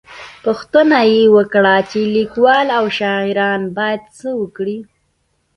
_پوښتنه يې وکړه چې ليکوال او شاعران بايد څه وکړي؟